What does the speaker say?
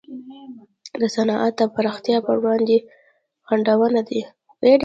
د صنعت د پراختیا پر وړاندې خنډونه دي.